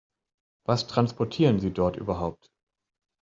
Was transportieren Sie dort überhaupt?